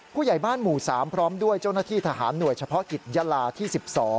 ผู้ใหญ่บ้านหมู่๓พร้อมด้วยเจ้าหน้าที่ทหารหน่วยเฉพาะกิจยาลาที่๑๒